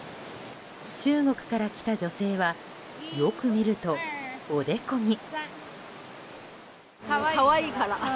中国から来た女性はよく見ると、おでこに。